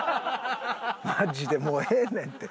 マジでもうええねんて。